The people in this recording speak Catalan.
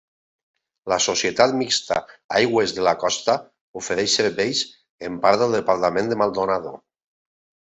La societat mixta Aigües de la Costa ofereix serveis en part del Departament de Maldonado.